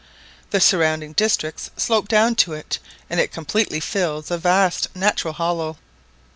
The surrounding districts slope down to it, and it completely fills a vast natural hollow.